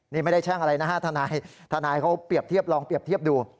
นี่ไม่ได้แช่งอะไรนะธนายธนายเขาลองเปรียบเทียบดู